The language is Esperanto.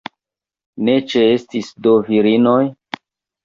Ne ĉeestis do virinoj?